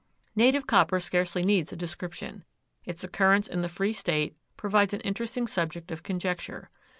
Native copper scarcely needs a description. Its occurrence in the free state provides an interesting subject of conjecture.